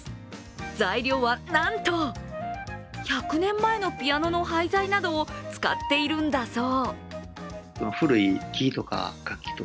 材料はなんと、１００年前のピアノの廃材などを使っているんだそう。